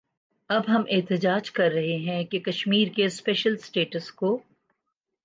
اب ہم احتجاج کر رہے ہیں کہ کشمیر کے سپیشل سٹیٹس کو